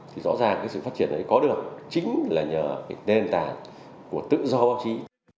thì rõ ràng cái sự phát triển đấy có được chính là nhờ cái nền tảng của tự do báo chí